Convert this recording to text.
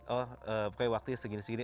oh bukan waktunya segini segini